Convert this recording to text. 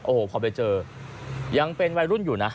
โอ้โหพอไปเจอยังเป็นวัยรุ่นอยู่นะ